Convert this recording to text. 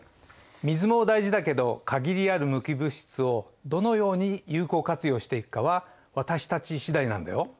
水も大事だけど限りある無機物質をどのように有効活用していくかは私たち次第なんだよ。